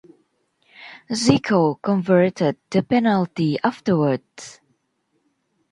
Zico converted the penalty afterwards.